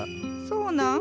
そうなん？